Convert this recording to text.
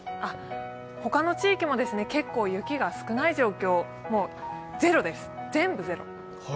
ほかの地域も結構雪が少ない状況、もうゼロです、全部ゼロ。